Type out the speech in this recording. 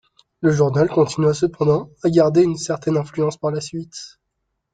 Le journal continua cependant à garder une certaine influence par la suite.